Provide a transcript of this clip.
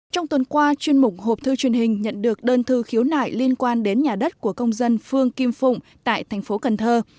trong tuần qua chuyên mục hộp thư truyền hình nhận được đơn thư khiếu nại liên quan đến nhà đất của công dân phương kim phụng tại thành phố cần thơ